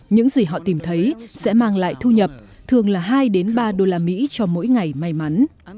những gì họ tìm thấy sẽ mang lại thu nhập thường là hai ba đô la mỹ cho mỗi ngày may mắn